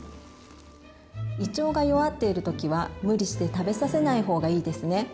胃腸が弱っているときは無理して食べさせないほうがいいですね。